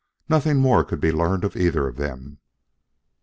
Nothing more could be learned of either of them.